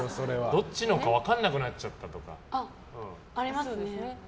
どっちのか分からなくなっちゃったとかは？ありますね。